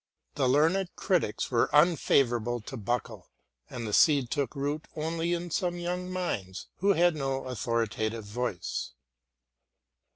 The learned critics were unfavourable to Buckle, and the seed took root only in some young minds who had no authoritative voice.